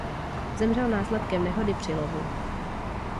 Zemřel následkem nehody při lovu.